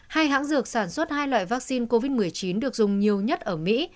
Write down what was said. hai hãng dược sản xuất hai loại vaccine covid một mươi chín được dùng nhiều nhất ở mỹ